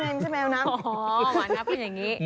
หมาน้ำเป็นอย่างนี้